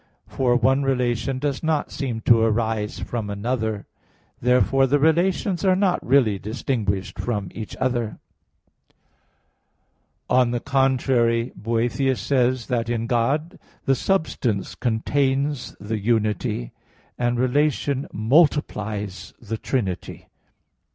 But one relation does not seem to arise from another. Therefore the relations are not really distinguished from each other. On the contrary, Boethius says (De Trin.) that in God "the substance contains the unity; and relation multiplies the trinity."